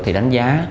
thì đánh giá